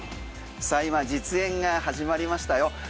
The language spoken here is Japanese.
実演が始まりましたよ。